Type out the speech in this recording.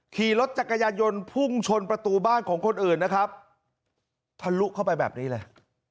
ขี่รถจักรยายนต์พุ่งชนประตูบ้านของคนอื่นนะครับทะลุเข้าไปแบบนี้เลย